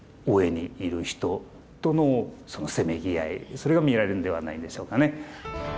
それが見られるんではないでしょうかね。